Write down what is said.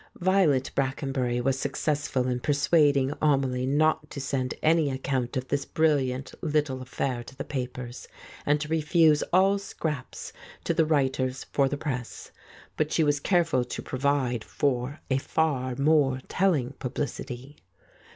Violet Bracken bury was successful in persuading Amelie not to send any account of this brilliant little affair to the papers, and to refuse all scraps to the writers for the press. But she was careful to provide for a far more telling publicity.